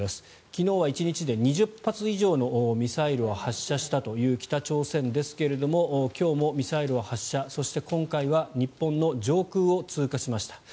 昨日は１日で２０発以上のミサイルを発射したという北朝鮮ですが今日もミサイルを発射そして、今回は日本の上空を通過しました。